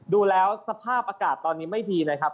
ดูแล้วสภาพอากาศตอนนี้ไม่ดีนะครับ